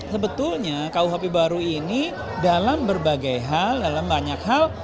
sebetulnya kuhp baru ini dalam berbagai hal dalam banyak hal